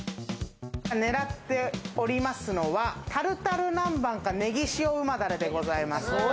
ねらっておりますのはタルタル南蛮か、ねぎ塩旨だれでございます。